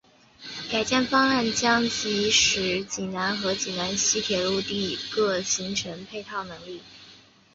改建方案将使济南和济南西铁路地区各自形成配套能力。